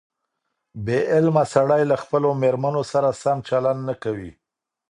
بې علمه سړي له خپلو مېرمنو سره سم چلند نه کوي.